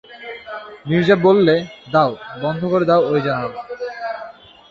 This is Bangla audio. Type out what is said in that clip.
নীরজা বললে, দাও, বন্ধ করে দাও ঐ জানলা।